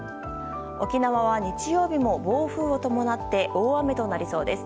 沖縄は、日曜日も暴風を伴って大雨となりそうです。